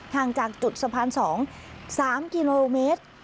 ห่างจากจุดสะพาน๒๓กิโลเมตร